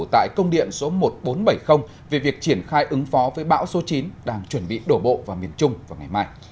tại công điện số một nghìn bốn trăm bảy mươi về việc triển khai ứng phó với bão số chín đang chuẩn bị đổ bộ vào miền trung vào ngày mai